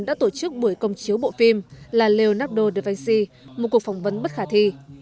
đã tổ chức buổi công chiếu bộ phim là leonardo da vici một cuộc phỏng vấn bất khả thi